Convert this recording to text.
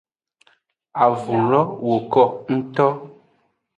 Avun lo woko ngto.